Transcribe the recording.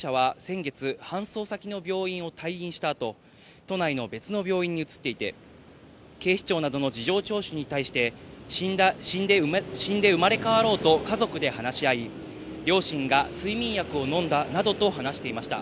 猿之助容疑者は先月、搬送先の病院を退院した後、都内の別の病院に移っていて、警視庁などの事情聴取に対して、死んで生まれ変わろうと、家族で話し合い、両親が睡眠薬を飲んだなどと話していました。